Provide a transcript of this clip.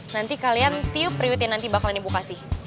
nanti kalian tiup riut yang bakalan ibu kasih